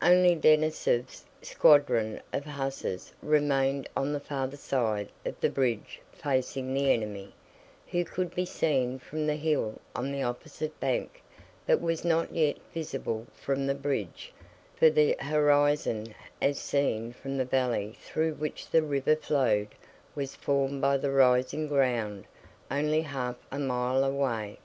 Only Denísov's squadron of hussars remained on the farther side of the bridge facing the enemy, who could be seen from the hill on the opposite bank but was not yet visible from the bridge, for the horizon as seen from the valley through which the river flowed was formed by the rising ground only half a mile away.